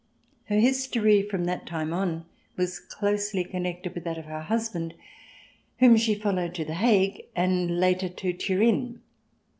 Her history from that time on was closely connected with that of her husband, whom she followed to The Ha^ue and later to Turin.